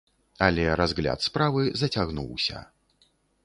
Але разгляд справы зацягнуўся.